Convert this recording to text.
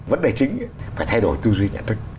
vấn đề chính phải thay đổi tư duy nhận thức